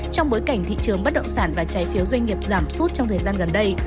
trong bối cảnh thị trường bất động sản và trái phiếu doanh nghiệp giảm sút trong thời gian gần đây